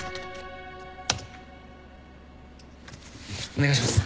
お願いします。